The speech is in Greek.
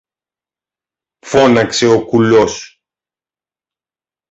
φώναξε ο κουλός.